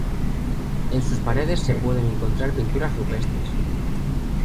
En sus paredes se pueden encontrar pinturas rupestres.